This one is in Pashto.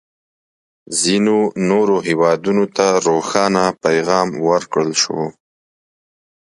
ځینو نورو هېوادونه ته روښانه پیغام ورکړل شو.